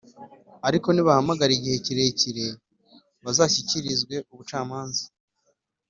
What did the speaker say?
ariko nibahamara igihe kirekire, bazashyikirizwe ubucamanza.